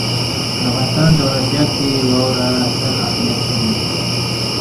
د افغانستان جغرافیه کې واوره ستر اهمیت لري.